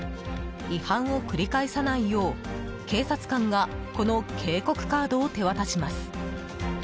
違反を繰り返さないよう警察官がこの警告カードを手渡します。